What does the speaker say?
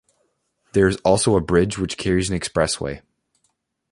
There is also a bridge which carries an expressway.